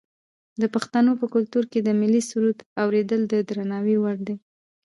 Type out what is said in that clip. د پښتنو په کلتور کې د ملي سرود اوریدل د درناوي وړ دي.